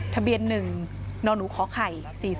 ทะเบียนหนึ่งนอนุขอไข่๔๐๐๑